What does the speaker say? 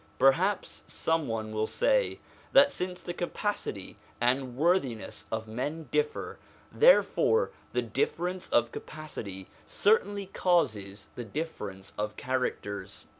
Perhaps some one will say, that since the capacity and worthiness of men differ, therefore the difference of capacity certainly causes the difference of characters.